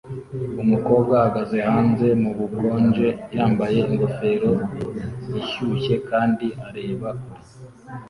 Umukobwa ahagaze hanze mubukonje yambaye ingofero ishyushye kandi areba kure